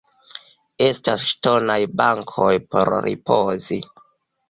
Estas ŝtonaj bankoj por ripozi.